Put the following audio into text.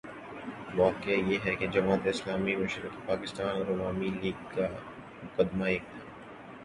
واقعہ یہ ہے کہ جماعت اسلامی مشرقی پاکستان اور عوامی لیگ کا مقدمہ ایک تھا۔